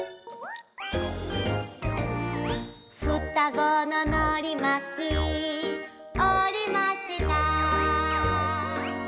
「双子ののりまきおりました」